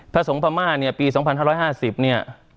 พระสงฆ์พระม่าเนี่ยปี๒๕๕๐เนี่ย